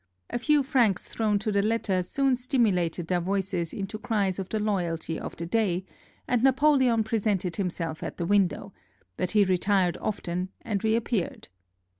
A few francs thrown to the latter soon stimulated their voices into cries of the loyalty of the day, and Napoleon pre sented himself at the window, but he retired often and reappeared.